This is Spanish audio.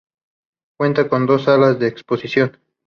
Cuenta con dos salas de exposición.